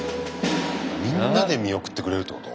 みんなで見送ってくれるってこと？